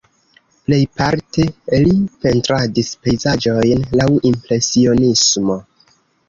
Plejparte li pentradis pejzaĝojn laŭ impresionismo.